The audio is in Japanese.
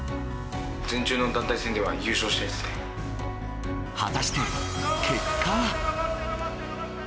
全中の団体戦では優勝したい果たして、結果は。